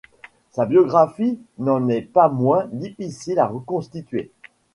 Sa biographie n'en est pas moins difficile à reconstituer.